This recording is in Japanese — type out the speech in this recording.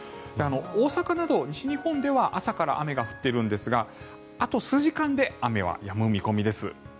大阪など西日本では朝から雨が降っているんですがあと数時間で雨はやむ見込みです。